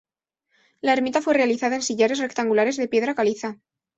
La ermita fue realizada en sillares rectangulares de piedra caliza.